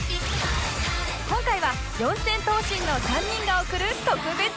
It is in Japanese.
今回は四千頭身の３人が送る特別編